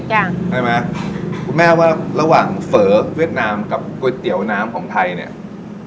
ยังใช่ไหมคุณแม่ว่าระหว่างเฝอเวียดนามกับก๋วยเตี๋ยวน้ำของไทยเนี่ย